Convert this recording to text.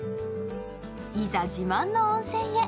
いざ、自慢の温泉へ。